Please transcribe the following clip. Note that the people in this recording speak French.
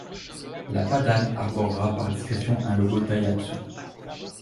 La Paddan arborera par discrétion un logo Daihatsu.